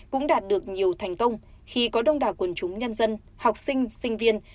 cũng đạt được nhiều thành công khi có đông đảo quần chúng nhân dân học sinh sinh viên